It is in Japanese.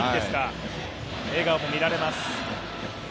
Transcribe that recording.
笑顔も見られます。